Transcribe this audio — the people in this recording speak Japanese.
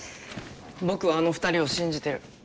僕はあの２人を信じてる。